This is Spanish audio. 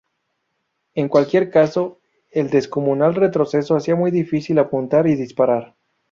En cualquier caso, el descomunal retroceso hacía muy difícil apuntar y disparar.